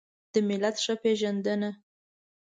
د ملت ښه پېژندنه